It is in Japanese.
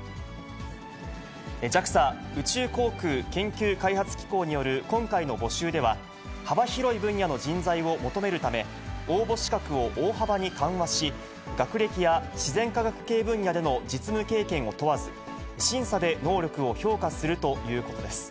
ＪＡＸＡ・宇宙航空研究開発機構による今回の募集では、幅広い分野の人材を求めるため、応募資格を大幅に緩和し、学歴や自然科学系分野での実務経験を問わず、審査で能力を評価するということです。